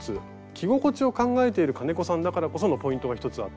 着心地を考えている金子さんだからこそのポイントが一つあって。